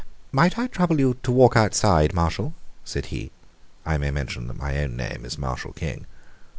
"Might I trouble you to walk outside, Marshall?" said he. (I may mention that my own name is Marshall King.)